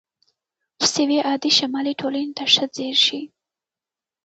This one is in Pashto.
اوس یوې عادي شمالي ټولنې ته ښه ځیر شئ